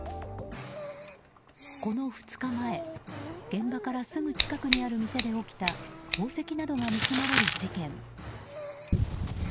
この２日前、現場からすぐ近くにある店で起きた宝石などが盗まれる事件。